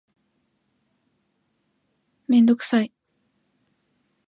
メンドクサイ